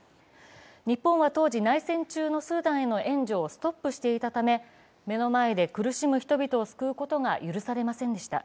日本は当時、内戦中のスーダンへの援助をストップしていたため目の前で苦しむ人々を救うことが許されませんでした。